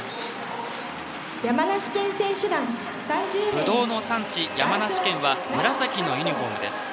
ぶどうの産地、山梨県は紫のユニフォームです。